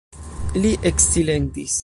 Li eksilentis.